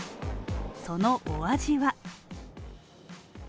そのお味は。